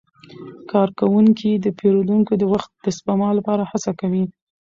کارکوونکي د پیرودونکو د وخت د سپما لپاره هڅه کوي.